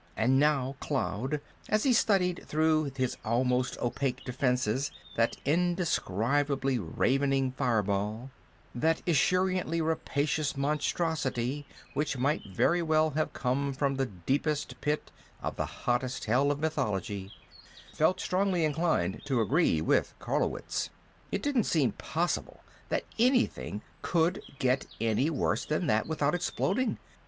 And now Cloud, as he studied through his almost opaque defenses that indescribably ravening fireball, that esuriently rapacious monstrosity which might very well have come from the deepest pit of the hottest hell of mythology, felt strongly inclined to agree with Carlowitz. It didn't seem possible that anything could get any worse than that without exploding.